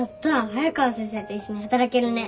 早川先生と一緒に働けるね。